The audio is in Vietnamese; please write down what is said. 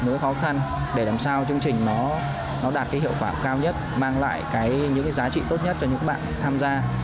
những khó khăn để làm sao chương trình nó đạt cái hiệu quả cao nhất mang lại những cái giá trị tốt nhất cho những bạn tham gia